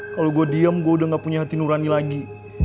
kalau gue diem gue udah gak punya hati nurani lagi